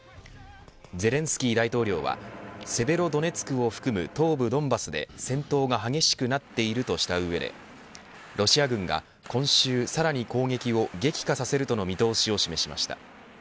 ゼレンスキー大統領はセベロドネツクを含む東部ドンバスで、戦闘が激しくなっているとした上でロシア軍が今週、さらに攻撃を激化させるとの見通しを示しました。